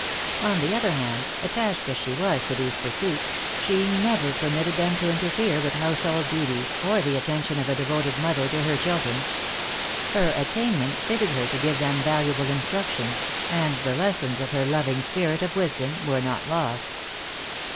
On the other hand, attached as she was to these pursuits, she never permitted them to interfere with household duties, or the attention of a devoted mother to her children. Her attainments fitted her to give them valuable instruction; and the lessons of her loving spirit of wisdom were not lost.